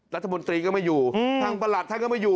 รัฐมนตรีก็ไม่อยู่ท่านประหลัดท่านก็ไม่อยู่